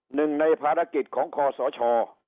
หนึ่งในภารกิจของคอสช